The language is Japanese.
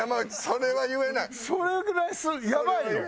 それぐらいやばいの？